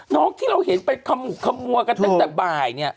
น้องที่เราเห็นไปขมัวกันตั้งแต่บ่ายเนี่ย